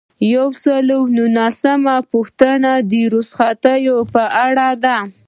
یو سل او نولسمه پوښتنه د رخصتیو په اړه ده.